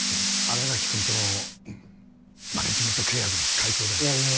新垣君とのマネージメント契約の解消だよいや